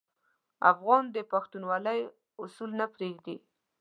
افغان د پښتونولي اصول نه پرېږدي.